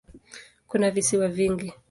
Kuna visiwa vingi.